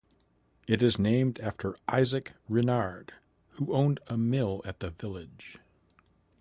It is named after Isaac Rinard, who owned a mill at the village.